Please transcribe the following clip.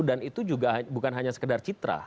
dan itu juga bukan hanya sekedar citra